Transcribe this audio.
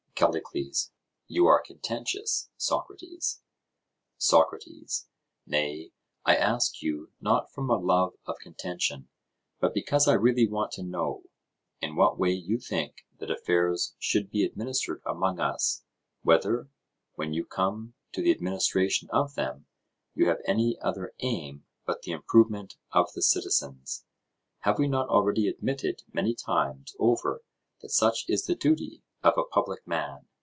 CALLICLES: You are contentious, Socrates. SOCRATES: Nay, I ask you, not from a love of contention, but because I really want to know in what way you think that affairs should be administered among us—whether, when you come to the administration of them, you have any other aim but the improvement of the citizens? Have we not already admitted many times over that such is the duty of a public man?